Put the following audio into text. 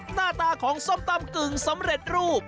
หน้าตาของส้มตำกึ่งสำเร็จรูป